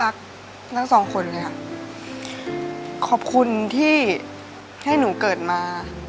รักทั้งสองคนเลยค่ะขอบคุณที่ให้หนูเกิดมา